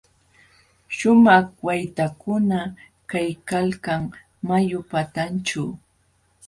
Śhumaq waytakuna kaykalkan mayu patanćhu.